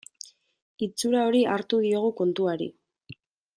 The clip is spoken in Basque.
Itxura hori hartu diogu kontuari.